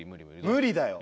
無理だよ！